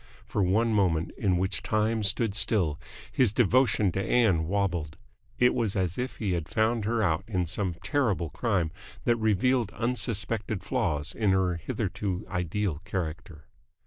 For one moment, in which time stood still, his devotion to Ann wobbled. It was as if he had found her out in some terrible crime that revealed unsuspected flaws in her hitherto ideal character.